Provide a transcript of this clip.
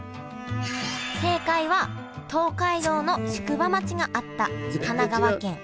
正解は東海道の宿場町があった神奈川県川崎市。